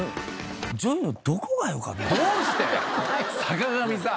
坂上さん！